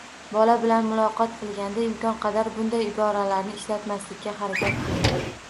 Bola bilan muloqot qilganda imkon qadar bunday iboralarni ishlatmaslikka harakat qiling.